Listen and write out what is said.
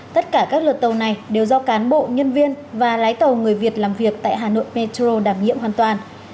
tất cả các lượt tàu này đều do cán bộ nhân viên và lái tàu người việt làm việc tại hà nội petro đảm nhiệm hoàn toàn